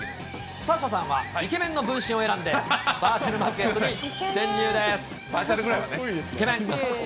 サッシャさんはイケメンの分身を選んで、バーチャルマーケットに潜入です。